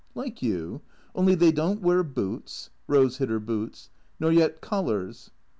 "Like you. Only they don't wear boots" (Rose hid her boots), "nor yet collars."